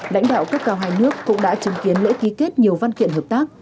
lãnh đạo cấp cao hai nước cũng đã chứng kiến lễ ký kết nhiều văn kiện hợp tác